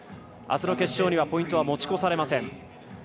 あすの決勝にはポイントは持ち越されません。